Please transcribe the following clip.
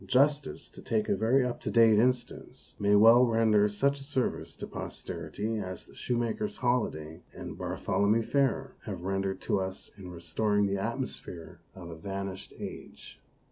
"Justice," to take a very up to date in stance, may well render such a service to posterity as the " Shoemaker's Holiday " and " Bartholomew Fair " have rendered to us in restoring the atmosphere of a vanished age.